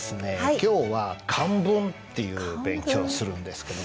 今日は「漢文」っていう勉強をするんですけど。